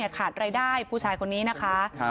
ขาดรายได้ผู้ชายคนนี้นะคะ